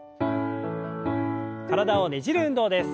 体をねじる運動です。